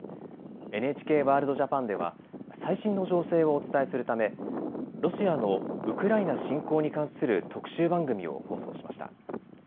「ＮＨＫワールドＪＡＰＡＮ」では最新の情勢をお伝えするためロシアのウクライナ侵攻に関する特集番組を放送しました。